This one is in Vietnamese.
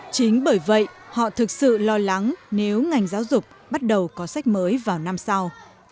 chính bởi vậy họ thực sự lo lắng nếu ngành giáo dục bắt đầu có sách mới vào năm sau